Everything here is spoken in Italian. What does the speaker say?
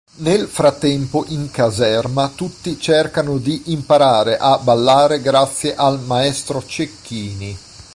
Nel frattempo in caserma tutti cercano di imparare a ballare grazie al maestro Cecchini.